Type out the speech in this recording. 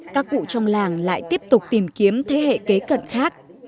các cụ trong làng lại tiếp tục tìm kiếm thế hệ kế cận khác